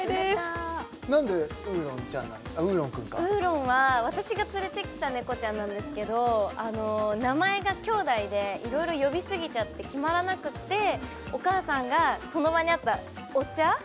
あうーろん君かうーろんは私が連れてきた猫ちゃんなんですけど名前がきょうだいでいろいろ呼びすぎちゃって決まらなくってお母さんがその場にあったお茶